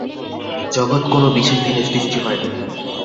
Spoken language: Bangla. জগৎ কোন বিশেষ দিনে সৃষ্ট হয় নাই।